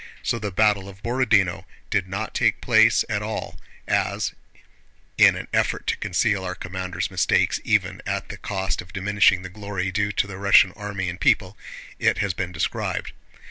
So the battle of Borodinó did not take place at all as (in an effort to conceal our commanders' mistakes even at the cost of diminishing the glory due to the Russian army and people) it has been described.